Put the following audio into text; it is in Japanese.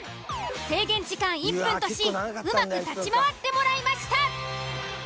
制限時間１分としうまく立ち回ってもらいました。